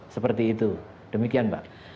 seperti itu demikian mbak